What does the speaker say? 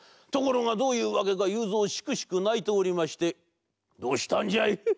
ところがどういうわけかゆうぞうしくしくないておりまして「どうしたんじゃい？」。